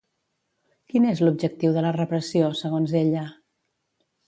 Quin és l'objectiu de la repressió, segons ella?